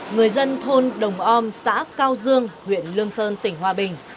người dân thôn đồng om xã cao dương huyện lương sơn tỉnh hòa bình